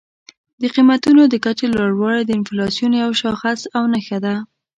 د قیمتونو د کچې لوړوالی د انفلاسیون یو شاخص او نښه ده.